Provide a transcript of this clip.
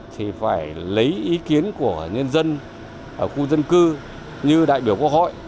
thì phải lấy ý kiến của nhân dân ở khu dân cư như đại biểu quốc hội